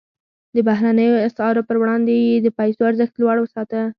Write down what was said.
د بهرنیو اسعارو پر وړاندې یې د پیسو ارزښت لوړ وساته.